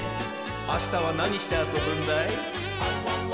あしたはなにしてあそぶんだい？